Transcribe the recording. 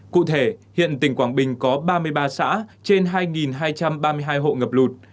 cụ thể hiện tỉnh quảng bình có ba mươi ba xã trên hai hai trăm ba mươi hai hộ ngập lụt